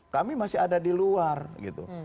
kami masih ada di luar gitu